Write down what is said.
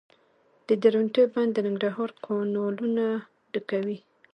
د درونټې بند د ننګرهار کانالونه ډکوي